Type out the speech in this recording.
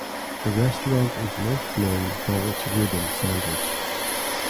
The restaurant is most known for its Reuben sandwich.